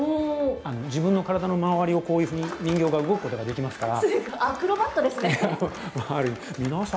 自分の体の周りをこういうふうに人形が動くことができますから。